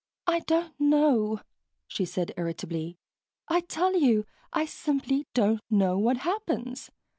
"I don't know," she said irritably. "I tell you, I simply don't know what happens.